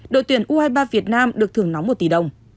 đội tuyển u hai mươi ba việt nam được thưởng nóng một tỷ đồng